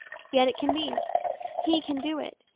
Yet it can be. He can do it.